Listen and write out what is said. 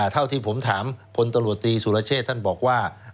เท่าที่ผมถามพลตำรวจตีสุรเชษฐ์ท่านบอกว่า